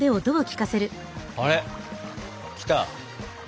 あれきた！